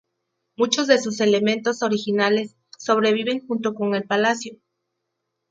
Muchos de sus elementos originales sobreviven junto con el Palacio.